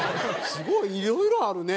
すごいいろいろあるね。